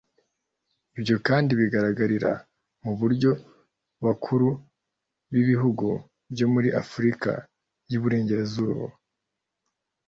Ibyo kandi bigaragarira mu buryo abakuru b’ibihugu byo muri Afurika y’Iburengerazuba